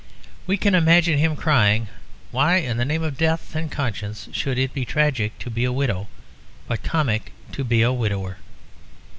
We can imagine him crying, "Why in the name of death and conscience should it be tragic to be a widow but comic to be a widower?"